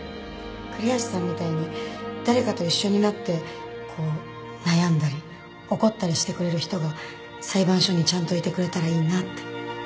栗橋さんみたいに誰かと一緒になってこう悩んだり怒ったりしてくれる人が裁判所にちゃんといてくれたらいいなって。